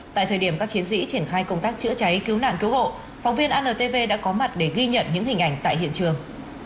tại thời điểm các chiến sĩ triển khai công tác chữa cháy cứu nạn cứu hộ phóng viên antv đã có mặt để ghi nhận những hình ảnh tại hiện trường